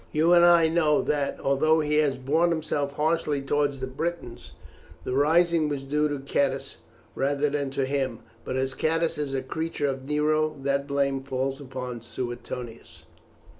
You and I know that, although he has borne himself harshly towards the Britons, the rising was due to Catus rather than to him, but as Catus is a creature of Nero the blame falls upon Suetonius."